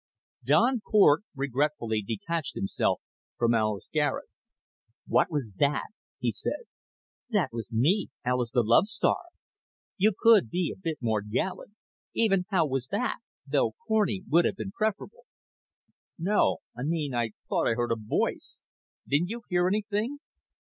Don Cort regretfully detached himself from Alis Garet. "What was that?" he said. "That was me Alis the love starved. You could be a bit more gallant. Even 'How was that?,' though corny, would have been preferable. "No I mean I thought I heard a voice. Didn't you hear anything?"